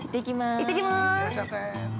◆行ってきます。